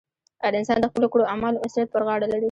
هر انسان د خپلو کړو اعمالو مسؤلیت پر غاړه لري.